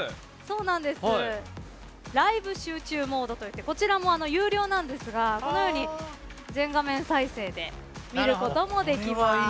ライブ集中モードといってこちらも有料なんですがこのように全画面再生で見ることもできます。